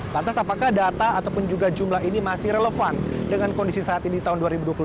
lantas apakah data ataupun juga jumlah ini masih relevan dengan kondisi saat ini tahun dua ribu dua puluh dua